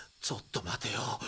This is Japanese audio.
ちょっと待てよ。